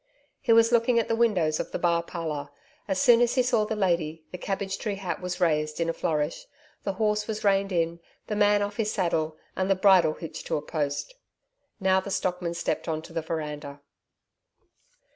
He was looking at the windows of the bar parlour. As soon as he saw the lady, the cabbage tree hat was raised in a flourish, the horse was reined in, the man off his saddle and the bridle hitched to a post. Now the stockman stepped on to the veranda.